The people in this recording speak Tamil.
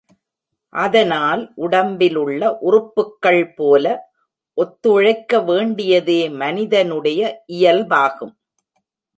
அதனால் உடம்பிலுள்ள உறுப்புக்கள் போல ஒத்துழைக்க வேண்டியதே மனிதனுடைய இயல்பாகும்.